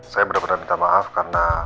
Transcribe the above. saya benar benar minta maaf karena